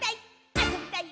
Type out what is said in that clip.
あそびたい！」